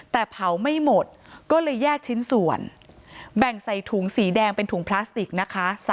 แต่เผาไม่หมดก็เลยแยกชิ้นส่วนแบ่งใส่ถุงสีแดงเป็นถุงพลาสติกนะคะ